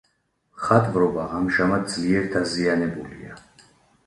მხატვრობა ამჟამად ძლიერ დაზიანებულია.